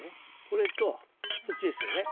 これとそっちですよね。